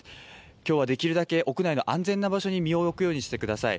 きょうはできるだけ屋内の安全な場所に身を置くようにしてください。